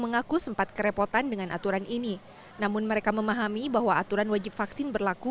mengaku sempat kerepotan dengan aturan ini namun mereka memahami bahwa aturan wajib vaksin berlaku